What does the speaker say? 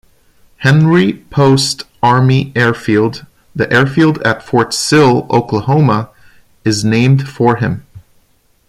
Henry Post Army Airfield the airfield at Fort Sill, Oklahoma is named for him.